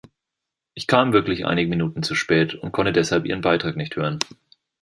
Ich kam wirklich einige Minuten zu spät und konnte deshalb ihren Beitrag nicht hören.